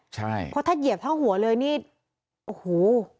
ใช่เพราะถ้าเหยียบทั้งหัวเลยนี่โอ้โห